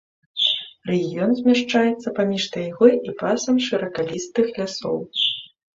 Рэгіён змяшчаецца паміж тайгой і пасам шыракалістых лясоў.